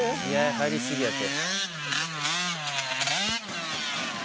入り過ぎやって。